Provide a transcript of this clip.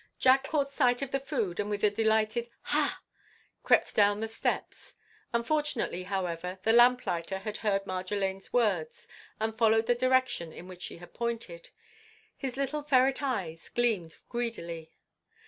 Jack caught sight of the food, and with a delighted "Ha!" crept down the steps. Unfortunately, however, the lamplighter had heard Marjolaine's words and followed the direction in which she had pointed. His little ferret eyes gleamed greedily.